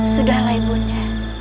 sudahlah ibu nda